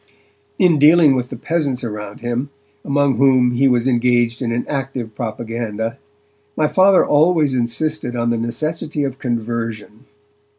In dealing with the peasants around him, among whom he was engaged in an active propaganda, my Father always insisted on the necessity of conversion.